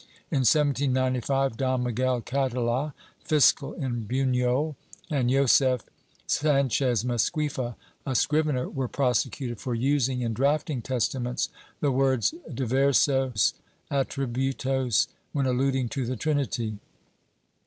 In 1795, Don Miguel Catala, fiscal in Buhol and Josef Sanchez Masquifa, a scrivener, were prosecuted for using, in drafting testaments, the words "diversos atributos," when alluding to the Trinity.